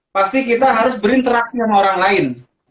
pasti kita harus berinteraksi sama orang lain